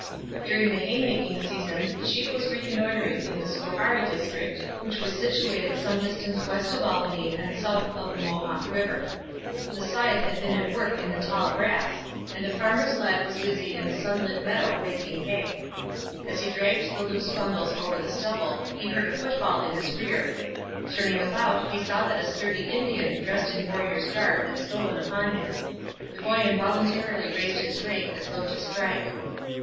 During the hay making season the chief was reconnoitring in the Schoharie district, which was situated some distance west of Albany and south of the Mohawk river. The scythe had been at work in the tall grass, and a farmer's lad was busy in a sunlit meadow raking hay. As he dragged the loose bundles over the stubble, he heard a footfall in his rear. Turning about he saw that a sturdy Indian dressed in warrior's garb had stolen upon him. The boy involuntarily raised his rake as though to strike.